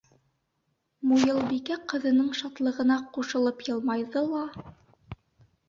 Муйылбикә ҡыҙының шатлығына ҡушылып йылмайҙы ла: